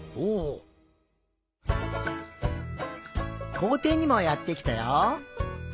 こうていにもやってきたよ。